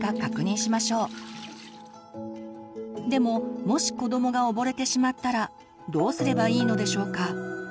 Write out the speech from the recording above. でももし子どもが溺れてしまったらどうすればいいのでしょうか？